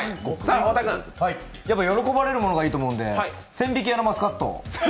喜ばれるものがいいと思うので、千疋屋のマスカット？